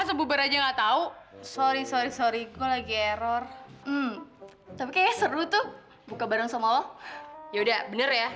sampai jumpa di video selanjutnya